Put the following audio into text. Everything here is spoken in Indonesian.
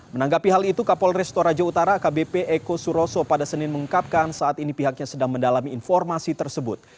menanggapi hal itu kapolres toraja utara akbp eko suroso pada senin mengungkapkan saat ini pihaknya sedang mendalami informasi tersebut